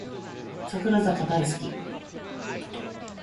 櫻坂大好き